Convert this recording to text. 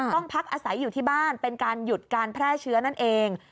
พักอาศัยอยู่ที่บ้านเป็นการหยุดการแพร่เชื้อนั่นเอง